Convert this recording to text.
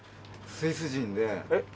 スイス人。